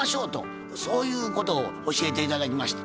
そういうことを教えて頂きました。